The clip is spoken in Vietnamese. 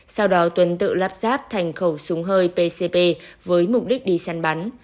sau đó tuấn tự lắp ráp thành khẩu súng hơi pcp với mục đích đi săn bắn